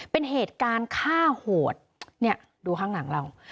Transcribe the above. เป็นเหตุการณ์ฆ่าโหดเนี่ยดูข้างหลังเรา